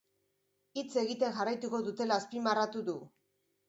Hitz egiten jarraituko dutela azpimarratu du.